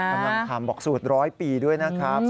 กำลังทำบอกสูตร๑๐๐ปีด้วยนะครับ